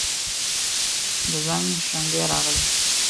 د زنګ شرنګی راغلي